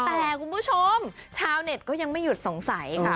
แต่คุณผู้ชมชาวเน็ตก็ยังไม่หยุดสงสัยค่ะ